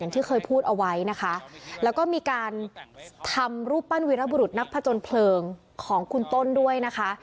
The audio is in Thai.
ที่เคยพูดเอาไว้นะคะแล้วก็มีการทำรูปปั้นวิรบุรุษนักผจญเพลิงของคุณต้นด้วยนะคะ